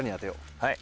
はい。